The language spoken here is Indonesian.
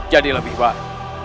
jadi lebih baik